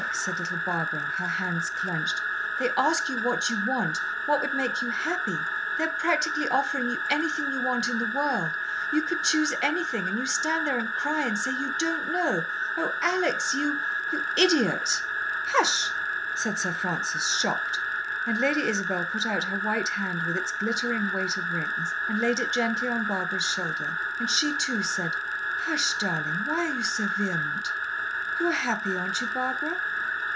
said little Barbara, her hands clenched, "they ask you what you want, what would make you happy they are practically offering you anything you want in the world you could choose anything, and you stand there and cry and say you don't know! Oh, Alex you you idiot!" "Hush!" said Sir Francis, shocked, and Lady Isabel put out her white hand with its glittering weight of rings and laid it gently on Barbara's shoulder, and she too said, "Hush, darling! why are you so vehement? You're happy, aren't you, Barbara?"